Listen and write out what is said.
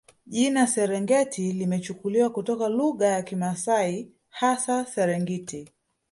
Jina Serengeti limechukuliwa kutoka lugha ya Kimasai hasa Serengit